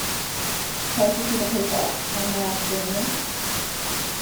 Care to see the paper, Comrade Stanley?